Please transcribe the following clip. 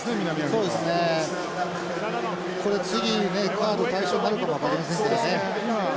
カード対象になるかも分かりませんけどね。